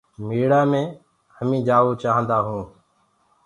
ميڙآ مي همي جآوو چآهندآ هونٚ۔